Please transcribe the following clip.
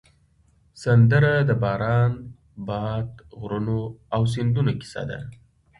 سندره د باران، باد، غرونو او سیندونو کیسه ده